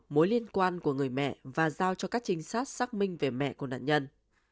mối liên quan của người mẹ và giao cho các trinh sát xác minh về mẹ của nạn nhân